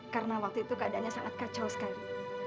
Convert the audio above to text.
karena waktu itu keadaannya sangat kacau sekali